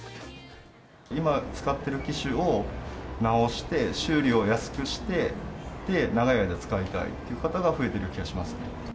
今、使っている機種を直して、修理を安くして、長い間使いたいという人が増えている気がしますね。